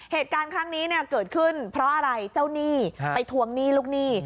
เหตุการณ์ครั้งนี้เนี่ยเกิดขึ้นเพราะอะไรเจ้าหนี้ไปทวงหนี้ลูกหนี้